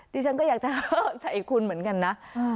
ดิฉันก็อยากจะใส่คุณเหมือนกันนะ